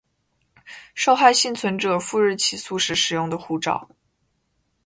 受害幸存者赴日起诉时使用的护照